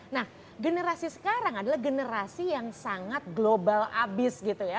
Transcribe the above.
nah generasi sekarang adalah generasi yang sangat global abis gitu ya